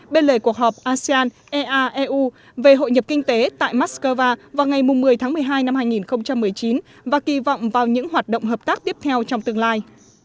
bên lề cuộc họp asean eaeu về hội nhập kinh tế tại moscow vào ngày một mươi tháng một mươi hai năm hai nghìn một mươi chín và kỳ vọng vào những hoạt động hợp tác tiếp theo trong tương lai